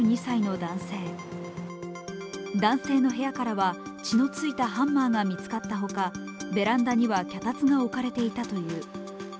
男性の部屋からは血のついたハンマーが見つかったほか、ベランダには脚立が置かれていたという。